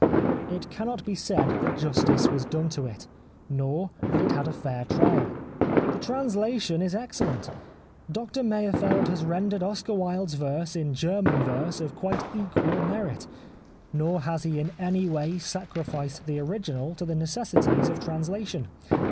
It cannot be said that justice was done to it, nor that it had a fair trial. The translation is excellent. Doctor Meyerfeld has rendered Oscar Wilde's verse in German verse of quite equal merit, nor has he in any way sacrificed the original to the neces sities of translation.